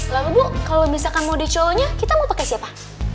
lalu bu kalau misalkan model cowoknya kita mau pakai siapa